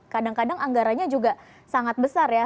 kadang kadang anggarannya juga sangat besar ya